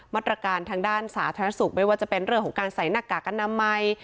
มาตรการทางด้านสาธารณสุขไม่ว่าจะเป็นเรื่องของการใส่หน้ากากอนามัย